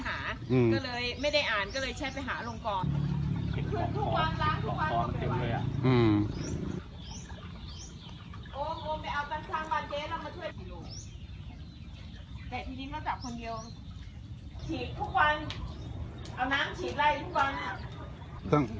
แต่ทีนี้เขาจับคนเดียวฉีดทุกวันเอาน้ำฉีดไล่ทุกวันอ่ะ